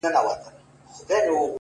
راوړل دوکان ته ياره ! هغه سودا څه ضرورت